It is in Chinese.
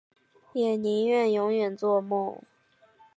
也宁愿永远作梦